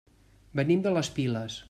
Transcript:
Venim de les Piles.